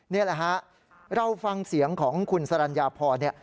นี่แหละฮะเราฟังเสียงของคุณสรรญาพรเนี่ย